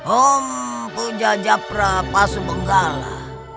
om puja japra pasu benggala